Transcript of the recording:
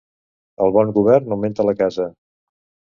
El bon govern augmenta la casa.